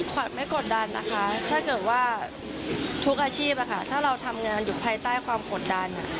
ขวัญไม่กดดันนะคะถ้าเกิดว่าทุกอาชีพถ้าเราทำงานอยู่ภายใต้ความกดดัน